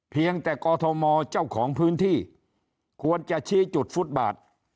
เพียงแต่กอทมเจ้าของพื้นที่ควรจะชี้จุดฟุตบาท